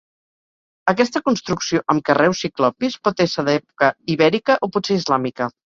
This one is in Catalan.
Aquesta construcció amb carreus ciclopis pot ésser d'època ibèrica o potser islàmica.